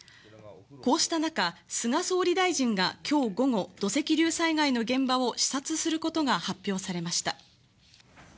こうした中、菅総理大臣が今日午後、土石流災害の現場を視察することが発表されました。